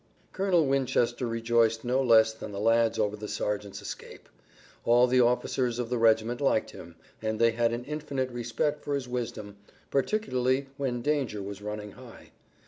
Colonel Winchester rejoiced no less than the lads over the sergeant's escape. All the officers of the regiment liked him, and they had an infinite respect for his wisdom, particularly when danger was running high.